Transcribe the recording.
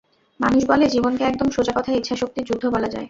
মানুষ বলে, জীবনকে একদম সোজাকথায় ইচ্ছাশক্তির যুদ্ধ বলা যায়।